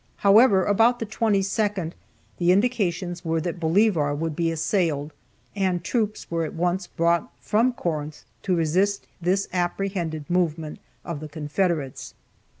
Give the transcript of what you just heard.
However, about the 22nd, the indications were that Bolivar would be assailed, and troops were at once brought from Corinth to resist this apprehended movement of the Confederates.